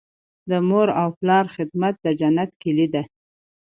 د مور او پلار خدمت د جنت کیلي ده.